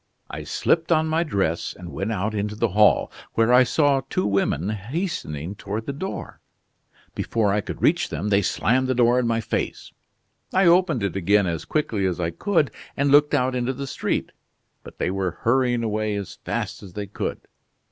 I slipped on my dress and went out into the hall, where I saw two women hastening toward the door. Before I could reach them they slammed the door in my face. I opened it again as quickly as I could and looked out into the street. But they were hurrying away as fast as they could."